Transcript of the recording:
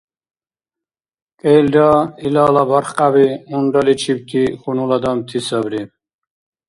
КӀелра илала бархкьяби унраличибти хьунул адамти сабри.